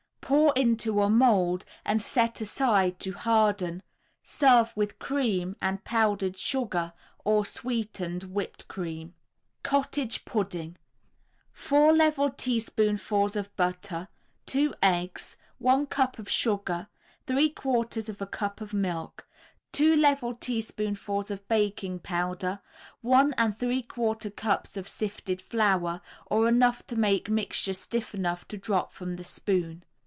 Pour into a mould and set aside to harden, serve with cream and powdered sugar or sweetened whipped cream. COTTAGE PUDDING 4 level tablespoonfuls of butter, 2 eggs, 1 cup of sugar, 3/4 a cup of milk. Two level teaspoonfuls of baking powder, one and three quarter cups of sifted flour or enough to make mixture stiff enough to drop from the spoon.